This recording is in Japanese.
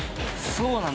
そうなんだ。